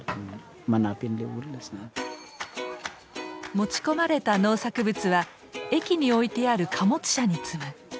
持ち込まれた農作物は駅に置いてある貨物車に積む。